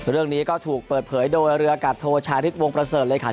เรื่องนี้ก็ถูกเปิดเผยโดยเรืออากาศโทชาริสวงประเสริฐเลยค่ะ